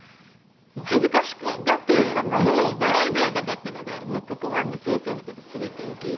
恥ずかしがっている場合ではなかったのでここは先生の事全て受け入れて。